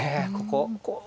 ここ。